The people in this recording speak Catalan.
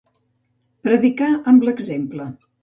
Predicar amb l'exemple.